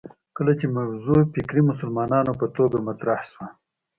کله چې موضوع فکري مسلماتو په توګه مطرح شوه